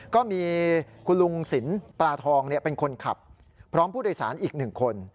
ก็มีคุณลุงสินปลาทองเป็นคนขับพร้อมผู้โดยสารอีก๑คน